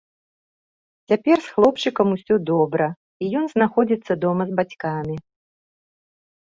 Цяпер з хлопчыкам усё добра і ён знаходзіцца дома з бацькамі.